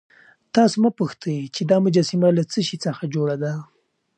تاسو مه پوښتئ چې دا مجسمه له څه شي څخه جوړه ده.